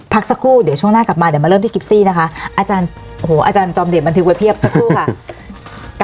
พักสักครู่เดี๋ยวช่วงหน้ากลับมาเดี๋ยวมาเริ่มที่กิฟซี่นะคะอาจารย์โอ้โหอาจารย์จอมเดชบันทึกไว้เพียบสักครู่ค่ะ